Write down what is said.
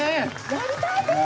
やりたいです。